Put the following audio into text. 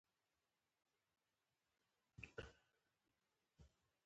د دغو سړکونو د جوړولو چارې